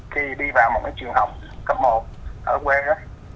khi đi vào một trường học cấp một ở quê đó